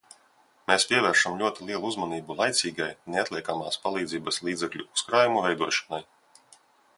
Mēs pievēršam ļoti lielu uzmanību laicīgai neatliekamās palīdzības līdzekļu uzkrājumu veidošanai.